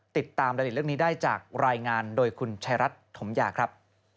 ติดตามรายละเอียดเรื่องนี้ได้จากรายงานโดยคุณชายรัฐถมยาครับ